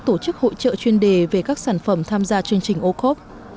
tổ chức hỗ trợ chuyên đề về các sản phẩm tham gia chương trình ocob